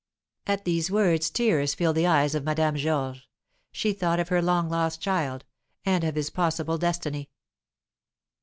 At these words, tears filled the eyes of Madame Georges; she thought of her long lost child, and of his possible destiny.